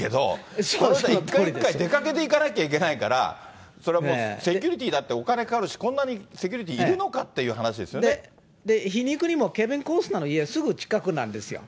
一回一回出かけていかなきゃいけないから、それはもうセキュリティーだってお金かかるし、こんなにセキュリティーいるのかっ皮肉にもケビン・コスナーの家、すぐ近くなんですよ。